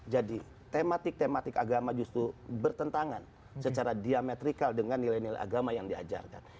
jadi tematik tematik agama justru bertentangan secara diametrikal dengan nilai nilai agama yang diajarkan